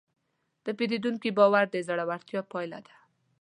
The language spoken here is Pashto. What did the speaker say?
د پیرودونکي باور د زړورتیا پایله ده.